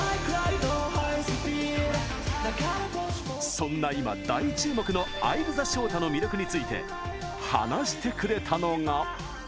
そんな今、大注目のＡｉｌｅＴｈｅＳｈｏｔａの魅力について話してくれたのが。